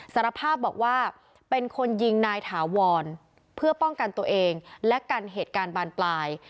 สารภาพบอกว่าเป็นคนยิงนายถาวรเพื่อป้องกันตัวเองและกันเหตุการณ์บานปลาย